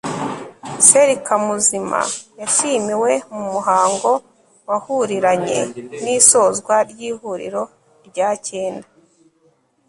soeur kamuzima yashimiwe mu muhango wahuriranye n'isozwa ry'ihuriro rya cyenda